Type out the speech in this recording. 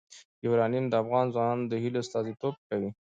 یورانیم د افغان ځوانانو د هیلو استازیتوب کوي.